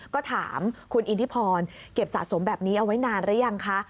ก็ถามคุณอิทธิพรเก็บสะสมแบบนี้เอาไว้นานหรือยังคะ